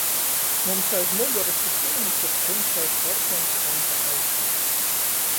Mums aiz mugurys pi sīnys ir tymsai sorkons samta aizkors.